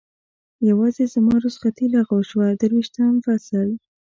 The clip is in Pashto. یوازې زما رخصتي لغوه شوه، درویشتم فصل.